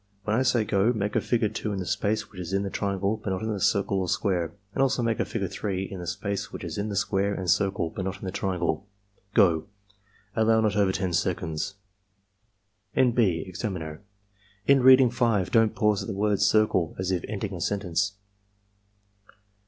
When I say 'go' make a figure 2 in the space which is in the triangle but not in the circle or square, and also make a figure 3 in the space which is in the 62 ARMY MENTAL TESTS square and circle, but not in the triangle. — Go!" (Allow not over 10 seconds.) {N, B. Examiner, — In reading 5, don't pause at the word CIRCLE as if ending a sentence.)